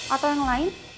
atau yang lain